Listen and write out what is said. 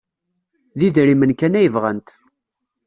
D idrimen kan ay bɣant.